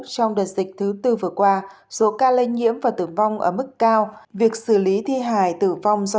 trong đợt dịch thứ tư vừa qua số ca lây nhiễm và tử vong ở mức cao việc xử lý thi hài tử vong do